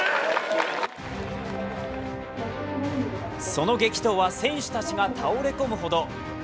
その激闘は選手たちが倒れ込むほど。